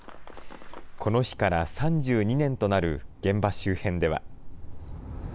この日から３２年となる現場周辺では。